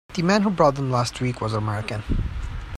The man who bought them last week was American.